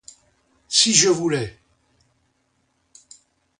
Si je voulais!